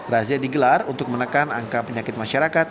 razia digelar untuk menekan angka penyakit masyarakat